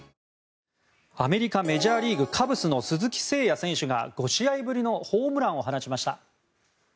アメリカメジャーリーグ、カブスの鈴木誠也選手が５試合ぶりのホームランを放ちました。